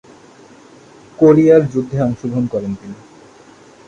কোরিয়ার যুদ্ধে অংশগ্রহণ করেন তিনি।